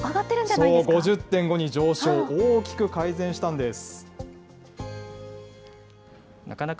そう、５０．５に上昇、大きく改善したんです。